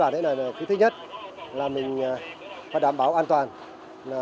thứ nhất là mình phải đảm bảo an toàn